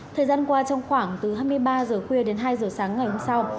thời gian qua trong khoảng từ hai mươi ba giờ khuya đến hai giờ sáng ngày hôm sau